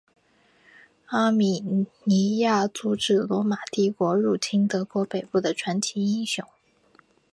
阿米尼亚阻止罗马帝国入侵德国北部的传奇英雄。